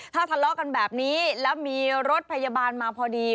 ถ้าทะเลาะกันแบบนี้แล้วมีรถพยาบาลมาพอดี